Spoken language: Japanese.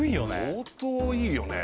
相当いいよね